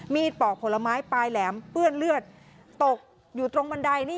ปอกผลไม้ปลายแหลมเปื้อนเลือดตกอยู่ตรงบันไดนี่